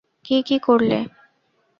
কি কি করলে?